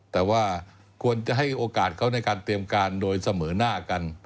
แต่ว่าควรจะให้โอกาสเขาในการเตรียมการโดยเสมอหน้ากัน